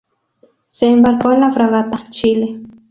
Se embarcó en la fragata "Chile".